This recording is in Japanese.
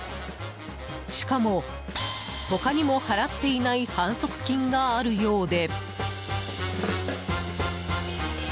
しかも他にも払っていない反則金があるようで。